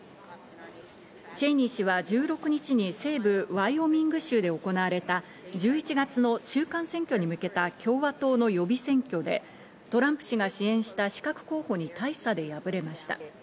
チェイニー氏は１６日に西部ワイオミング州で行われた１１月の中間選挙に向けた共和党の予備選挙でトランプ氏が支援した刺客候補に大差で敗れました。